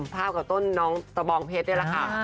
ภาพกับต้นน้องตะบองเพชรนี่แหละค่ะ